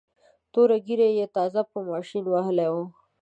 توره ږیره یې تازه په ماشین وهلې وه.